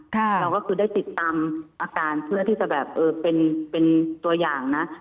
เราก็คือได้ติดตามอาการเพื่อที่จะแบบเออเป็นตัวอย่างนะ